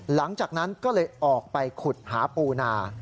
หลังจากนั้นก็เลยออกไปขุดหาปูนา